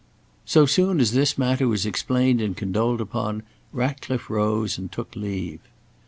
So soon as this matter was explained and condoled upon, Ratcliffe rose and took leave.